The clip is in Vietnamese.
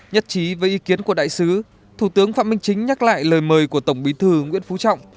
nhất trí với ý kiến của đại sứ thủ tướng phạm minh chính nhắc lại lời mời của tổng bí thư nguyễn phú trọng